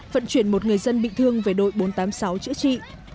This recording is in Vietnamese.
vận chuyển một người dân bị thương về đội bốn trăm tám mươi sáu chữa trị